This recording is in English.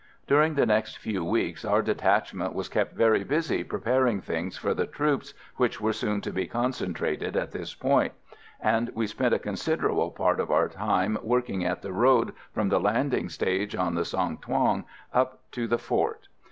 During the next few weeks our detachment was kept very busy preparing things for the troops, which were soon to be concentrated at this point; and we spent a considerable part of our time working at the road from the landing stage on the Song Thuong up to the fort.